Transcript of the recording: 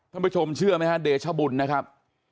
ถ้าผู้ชมเชื่อไหมครับเดชบุญนะครับ